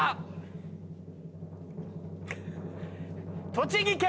栃木県！